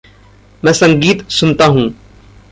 मैं संगीत सुनता हूँ।